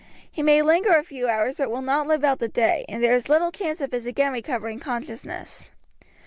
He may linger a few hours, but will not live out the day, and there is little chance of his again recovering consciousness.